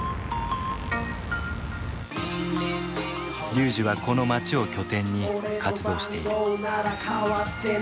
龍司はこの町を拠点に活動している。